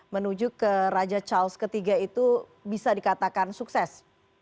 menuju ke raja charles iii itu bisa dikatakan sukses